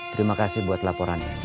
terima kasih buat laporannya